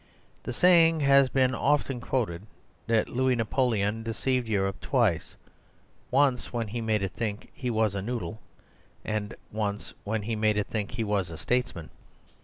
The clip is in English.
The saying has been often quoted that Louis Napoleon deceived Europe twice once when he made it think he was a noodle, and once when he made it think he was a statesman.